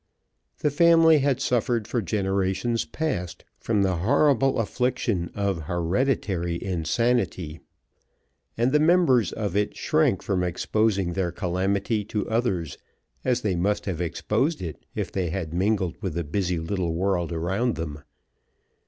The family had suffered for generations past from the horrible affliction of hereditary insanity, and the members of it shrank from exposing their calamity to others, as they must have exposed it if they had mingled with the busy little world around them.